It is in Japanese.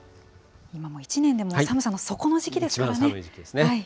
今も１年でも寒さの底の時期ですからね。